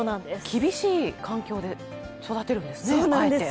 厳しい環境で育てるんですね、あえて。